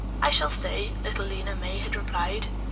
"I shall stay," little Lena May had replied.